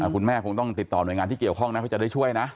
คุณแม่คงต้องติดต่อหน่วยงานที่เกี่ยวข้องนะเขาจะได้ช่วยนะ